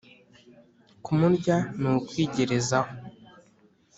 Kumurya ni ukwigerezaho !